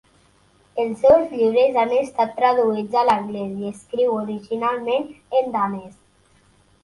Els seus llibres han estat traduïts a l'anglès i escriu originalment en danès.